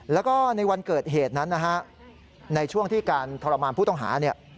แล้วก็ในวันเกิดเหตุนั้นนะฮะในช่วงที่การทรมานผู้ต้องหาเนี่ย